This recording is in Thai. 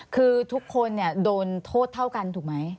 คือทุกคนโดนโทษเท่ากันถูกไหม